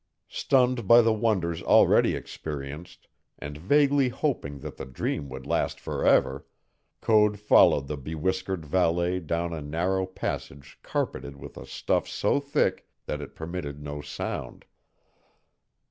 Stunned by the wonders already experienced, and vaguely hoping that the dream would last forever, Code followed the bewhiskered valet down a narrow passage carpeted with a stuff so thick that it permitted no sound.